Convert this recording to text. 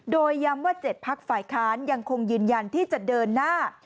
โดยย้ำว่า๗พักฝ่ายค้านยังคงยืนยันที่จะเดินหน้า